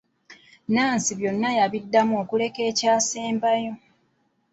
Nnansi byonna yabiddamu okuleka ekyasembayo.